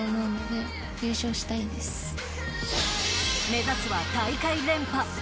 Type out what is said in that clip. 目指すは大会連覇。